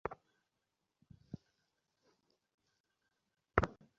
আমি লেখা হইতে মুখ তুলিলাম।